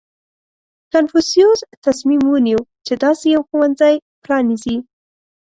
• کنفوسیوس تصمیم ونیو، چې داسې یو ښوونځی پرانېزي.